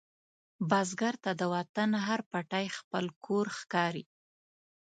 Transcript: بزګر ته د وطن هر پټی خپل کور ښکاري